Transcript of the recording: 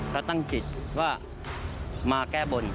ก็ตั้งจิตว่ามาแก้บน